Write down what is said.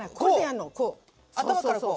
頭からこう？